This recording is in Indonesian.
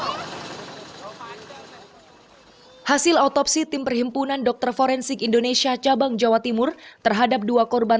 hai hasil otopsi tim perhimpunan dokter forensik indonesia cabang jawa timur terhadap dua korban